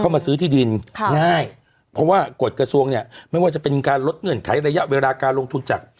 มาซื้อที่ดินง่ายเพราะว่ากฎกระทรวงเนี่ยไม่ว่าจะเป็นการลดเงื่อนไขระยะเวลาการลงทุนจาก